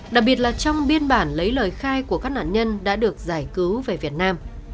đặc biệt là trong biên bản lấy lời khai của các nạn nhân đã được giải cứu về việt nam